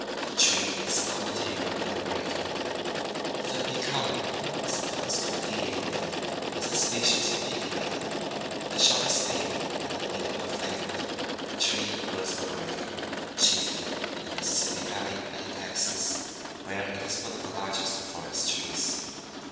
The tree is common to Europe and America. 7. The pecan (Carya olivalformis), sometimes called the Illinois nut, a species of hickory nut. The shell is thin and the meat well flavored. The tree grows in North America, chiefly in the Mississippi valley, and in Texas, where it is one of the largest of forest trees.